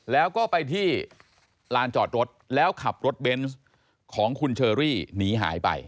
แล้วก็ไปที่ลานจอดรถแล้วขับรถเบนส์ของคุณเชอรี่หนีหายไป